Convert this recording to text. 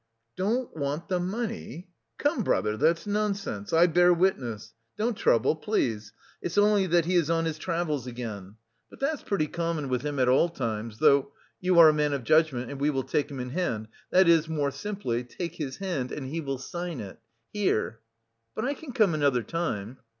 "Don't want the money! Come, brother, that's nonsense, I bear witness. Don't trouble, please, it's only that he is on his travels again. But that's pretty common with him at all times though.... You are a man of judgment and we will take him in hand, that is, more simply, take his hand and he will sign it. Here." "But I can come another time."